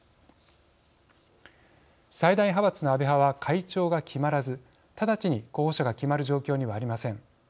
最大派閥の安倍派は会長が決まらず直ちに候補者が決まる状況にはありません。